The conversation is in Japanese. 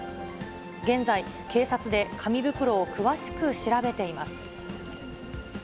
現在、警察で紙袋を詳しく調べています。